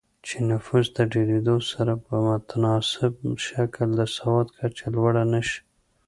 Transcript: چې نفوس د ډېرېدو سره په متناسب شکل د سواد کچه لوړه نه شي